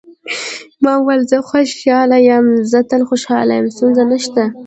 ما وویل: زه خوشاله یم، زه تل خوشاله یم، ستونزه نشته.